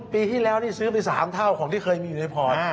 ปีที่แล้วนี่ซื้อไป๓เท่าของที่เคยมีอยู่ในพอร์ต